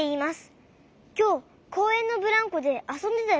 きょうこうえんのブランコであそんでたでしょ？